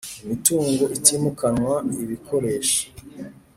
Imitungo itimukanwa ibikoresho